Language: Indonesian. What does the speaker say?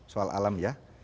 soal alam ya